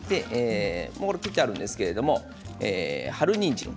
切ってあるんですけれども春にんじん。